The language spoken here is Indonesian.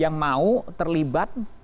yang mau terlibat